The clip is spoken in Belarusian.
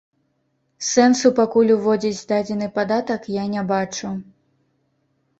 Сэнсу пакуль уводзіць дадзены падатак я не бачу.